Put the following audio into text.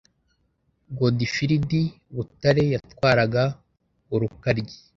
Godifridi Butare yatwaraga Urukaryi